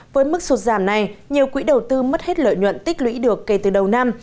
với mức sụt giảm này nhiều quỹ đầu tư mất hết lợi nhuận tích lũy được kể từ đầu năm